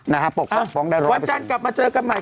นะฮะปกป้องได้เลยวันจันทร์กลับมาเจอกันใหม่